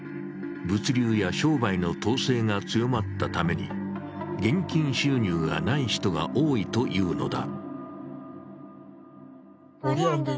物流や商売の統制が強まったために現金収入がない人が多いというのだ。